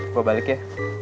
gue balik ya